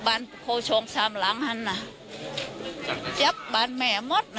บ้านโคชองสามหลังน่ะจับบ้านแม่หมดน่ะ